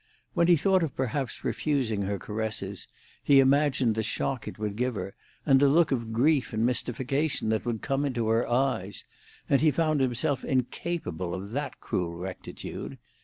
When he thought of perhaps refusing her caresses, he imagined the shock it would give her, and the look of grief and mystification that would come into her eyes, and he found himself incapable of that cruel rectitude.